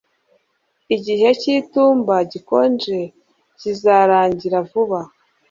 Igihe cyitumba gikonje kizarangira vuba